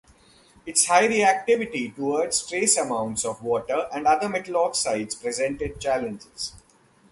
Its high reactivity toward trace amounts of water and other metal oxides presented challenges.